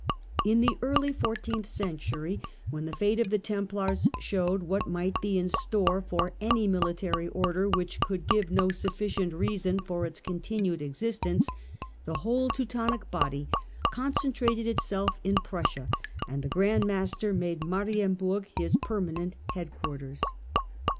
In the early fourteenth century, when the fate of the Templars showed what might be in store for any Mihtary Order which could give no sufficient reason for its continued existence, the whole Teutonic body concentrated itself in Prussia, and the Grand Master made Marienburg his permanent head quarters.